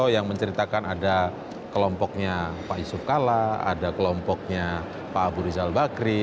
yang menceritakan ada kelompoknya pak yusuf kalla ada kelompoknya pak abu rizal bakri